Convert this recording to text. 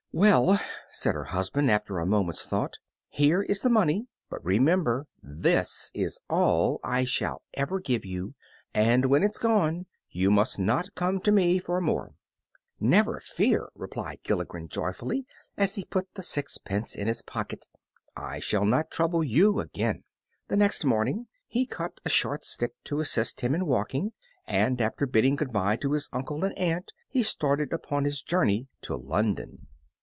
"Well," said her husband, after a moment's thought, "here is the money; but remember, this is all I shall ever give you, and when it is gone you must not come to me for more." "Never fear," replied Gilligren, joyfully, as he put the sixpence in his pocket, "I shall not trouble you again." The next morning he cut a short stick to assist him in walking, and after bidding good bye to his uncle and aunt he started upon his journey to London.